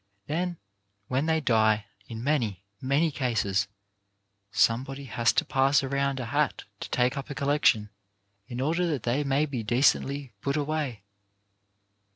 Then when they die — in many, many cases — somebody has to pass around a hat to take up a collection in order that they may be decently put away.